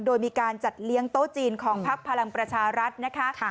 โดยมีการจัดเลี้ยงโต๊ะจีนของพักพลังประชารัฐนะคะ